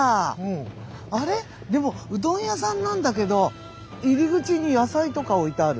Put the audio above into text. でもうどん屋さんなんだけど入り口に野菜とか置いてある。